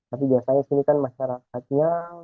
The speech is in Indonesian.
tapi biasanya sini kan masyarakatnya